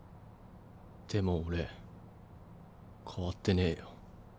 でも俺代わってねぇよ。